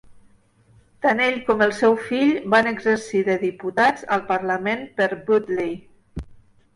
Tant ell com el seu fill van exercir de diputats al Parlament per Bewdley.